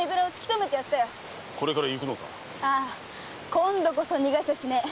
今度こそ逃がしゃしねえ。